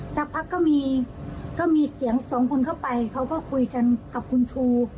สักพักก็มีก็มีเสียงสองคนเข้าไปเขาก็คุยกันกับคุณชู